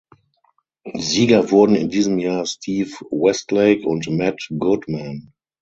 Sieger wurden in diesem Jahr Steve Westlake und Matt Goodman.